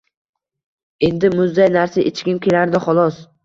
Endi muzday narsa ichgim kelardi, xolos